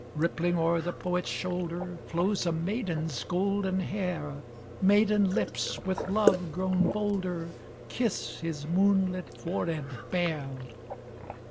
Rippling o'er the poet's shoulder Flows a maiden's golden hair, Maiden lips, with love grown bolder, Kiss his moon lit forehead bare.